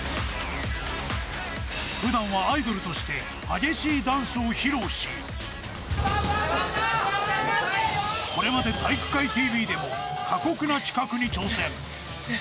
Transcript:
ふだんはアイドルとして激しいダンスを披露しこれまで「体育会ＴＶ」でも過酷な企画に挑戦。